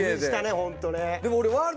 ホントね。